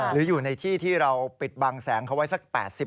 หรืออยู่ในที่ที่เราปิดบังแสงเขาไว้สัก๘๐